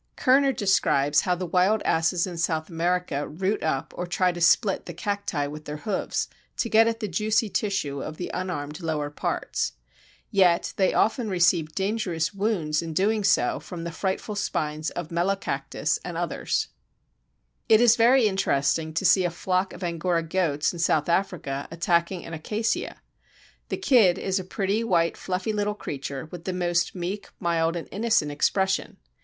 Kerner describes how the wild asses in South America root up or try to split the Cacti with their hoofs to get at the juicy tissue of the unarmed lower parts. Yet they often receive dangerous wounds in doing so from the frightful spines of Melocactus and others. Kerner, l.c., vol. I, p. 447. It is very interesting to see a flock of Angora goats in South Africa attacking an Acacia. The kid is a pretty, white, fluffy little creature, with the most meek, mild, and innocent expression.